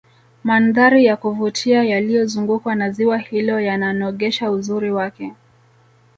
mandhari ya kuvutia yaliozungukwa na ziwa hilo yananogesha uzuri wake